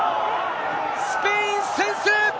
スペイン先制。